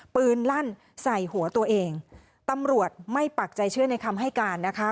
ลั่นใส่หัวตัวเองตำรวจไม่ปักใจเชื่อในคำให้การนะคะ